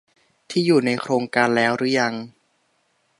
ที่อยู่ในโครงการแล้วรึยัง